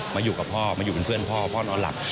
มาอยู่กับพ่อมาอยู่เป็นเพื่อนพ่อพ่อนอนหลับ